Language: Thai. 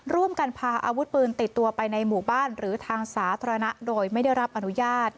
ร่วมกันพาอาวุธปืนติดตัวไปในหมู่บ้านหรือทางสาธารณะโดยไม่ได้รับอนุญาต